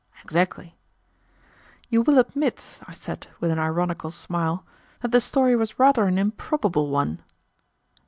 "Exactly." "You will admit," I said, with an ironical smile, "that the story was rather an improbable one."